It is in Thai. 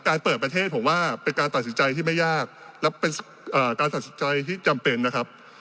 เปิดประเทศผมว่าเป็นการตัดสินใจที่ไม่ยากและเป็นการตัดสินใจที่จำเป็นนะครับ